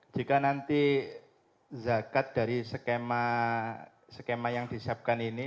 jika nanti zakat dari skema yang disiapkan ini